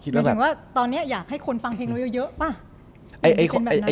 หมายถึงว่าตอนนี้อยากให้คนฟังเพลงเราเยอะป่ะ